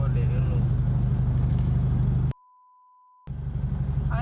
โทรศัพท์ที่ถ่ายคลิปสุดท้าย